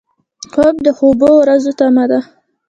خوب د خوبو ورځو تمه ده